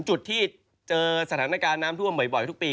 จุดที่เจอสถานการณ์น้ำท่วมบ่อยทุกปี